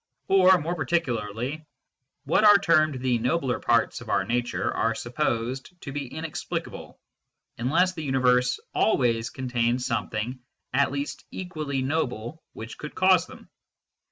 Or, more particularly, what are termed the nobler parts of our nature are supposed to be inexplicable, unless the universe always contained something at least equally noble which could cause them.